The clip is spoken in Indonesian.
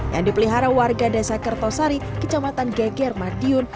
yang dipelihara warga desa kertosari kecamatan geger madiun